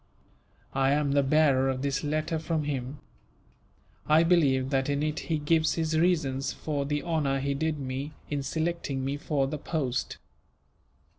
"I am the bearer of this letter from him. I believe that in it he gives his reasons for the honour he did me, in selecting me for the post."